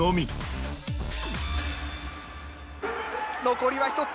残りは１つ。